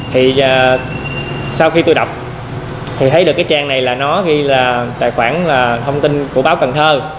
thì sau khi tôi đọc thì thấy được cái trang này là nó ghi là tài khoản là thông tin của báo cần thơ